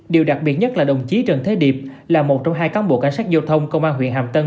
điều đặc biệt nhất là đồng chí trần thế điệp là một trong hai cán bộ cảnh sát giao thông công an huyện hàm tân